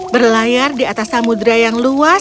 berlayar di atas samudera yang luas